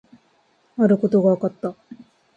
あることが分かった